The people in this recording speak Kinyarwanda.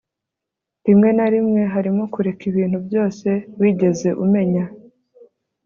rimwe na rimwe, harimo kureka ibintu byose wigeze umenya